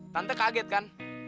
tante kaget kan